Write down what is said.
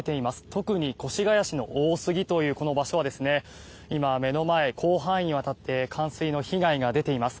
特に越谷市の大杉というこの場所は今、目の前、広範囲にわたって冠水の被害が出ています。